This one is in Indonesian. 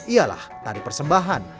ialah tari persembahan